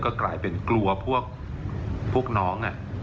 ก็กลายเป็นกลัวพวกพวกน้องอ่ะ